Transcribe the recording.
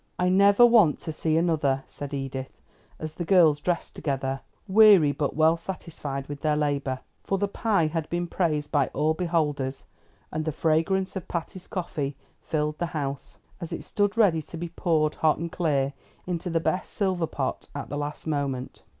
"I never want to see another," said Edith, as the girls dressed together, weary, but well satisfied with their labor; for the pie had been praised by all beholders, and the fragrance of Patty's coffee filled the house, as it stood ready to be poured, hot and clear, into the best silver pot, at the last moment.